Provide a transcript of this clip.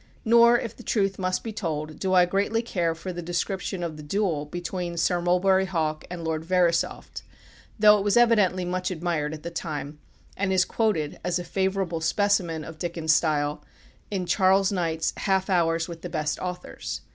Nor, if the truth must be told, do I greatly care for the description of the duel between Sir Mulberry Hawk and Lord Verisopht, though it was evidently very much admired at the time, and is quoted, as a favourable specimen of Dickens' style, in Charles Knight's "Half hours with the Best Authors."